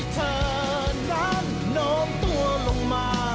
จ้ะ